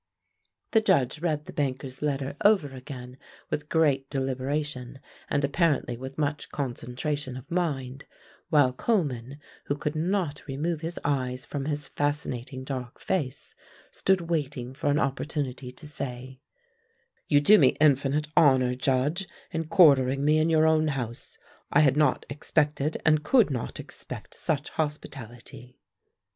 The Judge read the banker's letter over again with great deliberation and apparently with much concentration of mind, while Coleman, who could not remove his eyes from his fascinating dark face, stood waiting for an opportunity to say: "You do me infinite honor, Judge, in quartering me in your own house. I had not expected and could not expect such hospitality."